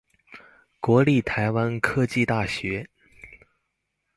國立臺灣科技大學